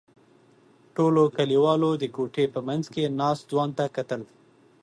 ټولو کلیوالو د کوټې په منځ کې ناست ځوان ته کتل.